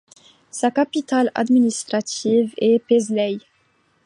Sa capitale administrative est Paisley.